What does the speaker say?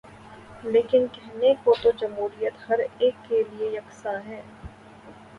لیکن کہنے کو تو جمہوریت ہر ایک کیلئے یکساں ہے۔